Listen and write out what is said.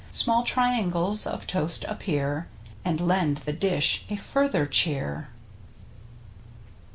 Small triangles of toast appear And lend the dish a further cheer.